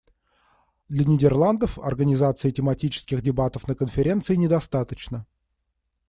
Для Нидерландов организации тематических дебатов на Конференции не достаточно.